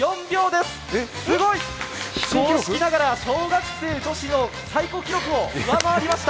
すごい！非公式ながら小学生女子の最高記録を上回りました！